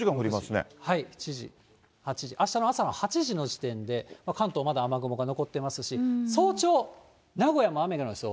７時、８時、あしたの朝８時の時点で、雨雲が残ってますし、早朝、名古屋も雨の予想。